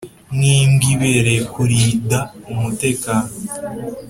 nk'imbwa ibereye kurida umtekano